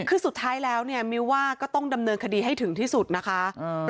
คือสุดท้ายแล้วเนี่ยมิวว่าก็ต้องดำเนินคดีให้ถึงที่สุดนะคะ